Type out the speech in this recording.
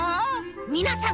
みなさん